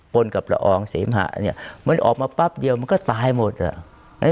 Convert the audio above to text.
นกับละอองเสมหะเนี่ยมันออกมาปั๊บเดียวมันก็ตายหมดอ่ะ